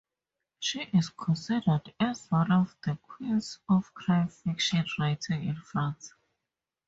She is considered as one of the queens of crime fiction writing in France.